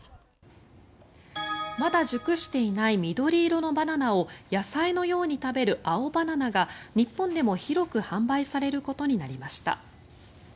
まだ熟していない緑色のバナナを野菜のように食べる青バナナが日本でも広く販売されることになりました。